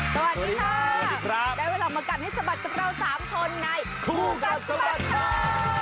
สวัสดีค่ะได้เวลามากัดให้สะบัดกับเรา๓คนในคู่กัดสะบัดข่าว